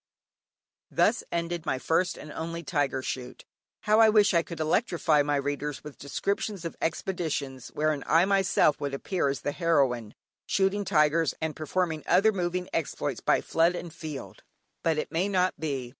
Thus ended my first and only tiger shoot. How I wish I could electrify my readers with descriptions of expeditions wherein I myself would appear as the heroine, shooting tigers, and performing other moving exploits by flood and field. But it may not be.